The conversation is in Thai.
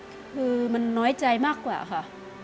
คือมันน้อยใจมากกว่าค่ะ